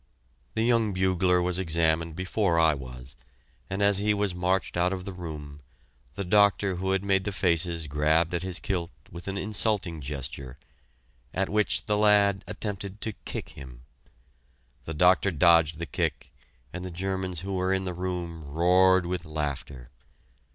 The young bugler was examined before I was, and as he was marched out of the room, the doctor who had made the faces grabbed at his kilt with an insulting gesture, at which the lad attempted to kick him. The doctor dodged the kick, and the Germans who were in the room roared with laughter.